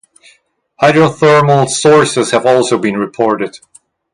Hydrothermal sources have also been reported.